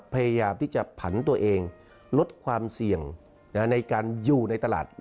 พยายามที่จะผันตัวเองลดความเสี่ยงในการอยู่ในตลาด